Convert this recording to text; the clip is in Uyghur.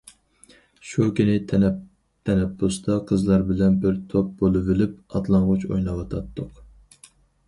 ... شۇ كۈنى تەنەپپۇستا قىزلار بىلەن بىر توپ بولۇۋېلىپ ئاتلانغۇچ ئويناۋاتاتتۇق.